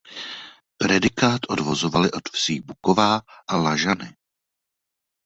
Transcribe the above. Predikát odvozovali od vsí Buková a Lažany.